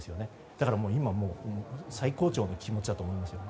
だから今、もう最高潮の気持ちだと思うんですよね。